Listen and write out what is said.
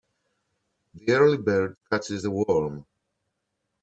The early bird catches the worm.